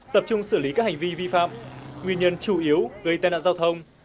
tập trung xử lý các hành vi vi phạm nguyên nhân chủ yếu gây tai nạn giao thông